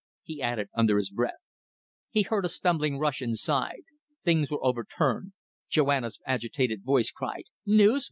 he added, under his breath. He heard a stumbling rush inside. Things were overturned. Joanna's agitated voice cried "News!